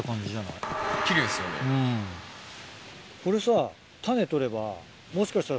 これさ種取れば。